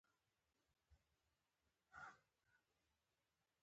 د نیاندرتالانو ځینې جینونه د عقلمن انسانانو سره یو ځای شول.